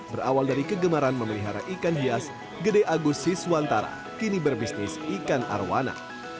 berawal dari kegemaran memelihara ikan hias gede agus siswantara kini berbisnis ikan arowana